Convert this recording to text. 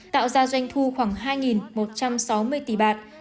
tạo ra doanh thu khoảng hai một trăm sáu mươi tỷ bạt